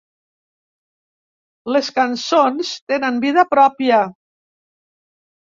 Les cançons tenen vida pròpia.